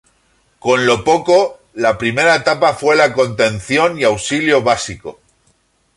Con lo poco, la primera etapa fue la contención y auxilio básico.